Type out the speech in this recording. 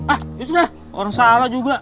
ah yaudah orang salah juga